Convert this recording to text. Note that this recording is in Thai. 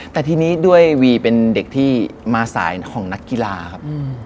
แต่ทีนี้ด้วยวีเป็นเด็กที่มาสายของนักกีฬาครับ